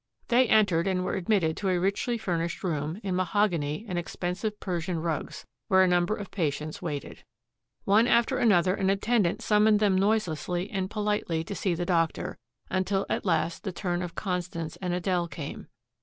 They entered and were admitted to a richly furnished room, in mahogany and expensive Persian rugs, where a number of patients waited. One after another an attendant summoned them noiselessly and politely to see the doctor, until at last the turn of Constance and Adele came.